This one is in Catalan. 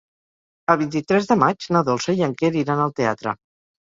El vint-i-tres de maig na Dolça i en Quer iran al teatre.